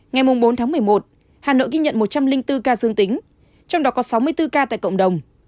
ngày bốn tháng một mươi một hà nội ghi nhận một trăm linh bốn ca dương tính trong đó có sáu mươi bốn ca tại cộng đồng